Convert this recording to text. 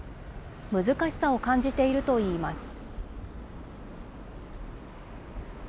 難しさを感じているといいます。